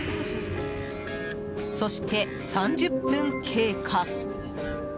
そして、３０分経過。